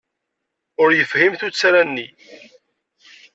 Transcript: Ur yefhim tuttra-nni.